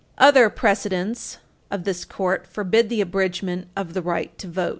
Other precedents of this Court forbid the abridgement of the right to vote.